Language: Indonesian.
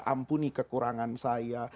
ampuni kekurangan saya